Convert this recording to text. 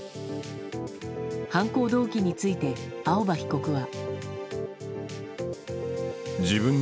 犯行動機について、青葉被告は。